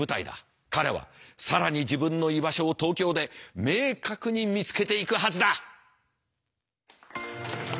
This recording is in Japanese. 彼は更に自分の居場所を東京で明確に見つけていくはずだ！